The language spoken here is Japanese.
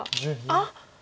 あっ！